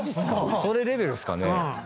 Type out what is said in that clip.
それレベルですかね？